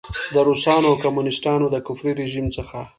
د روسانو او کمونیسټانو د کفري رژیم څخه.